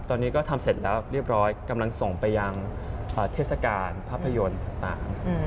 ตอนนี้ก็ทำเสร็จแล้วเรียบร้อยกำลังส่งไปยังเทศกาลภาพยนตร์ต่าง